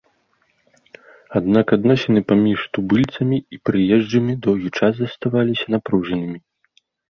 Аднак адносіны паміж тубыльцамі і прыезджымі доўгі час заставаліся напружанымі.